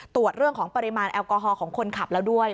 ตรวจเรื่องของปริมาณแอลกอฮอล์ของคนขับแล้วด้วย